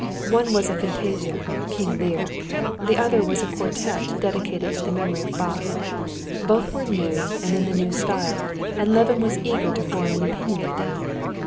One was a fantasia, King Lear; the other was a quartette dedicated to the memory of Bach. Both were new and in the new style, and Levin was eager to form an opinion of them.